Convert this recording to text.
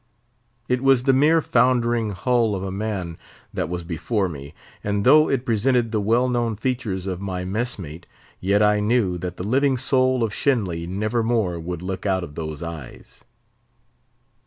It was the mere foundering hull of a man that was before me; and though it presented the well known features of my mess mate, yet I knew that the living soul of Shenly never more would look out of those eyes.